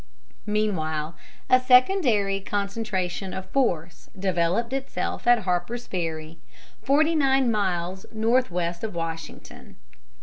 Meanwhile, a secondary concentration of force developed itself at Harper's Ferry, forty nine miles northwest of Washington.